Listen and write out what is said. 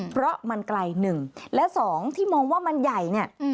เพราะมันไกลหนึ่งและสองที่มองว่ามันใหญ่เนี่ย